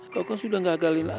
kau kan sudah gagalin aku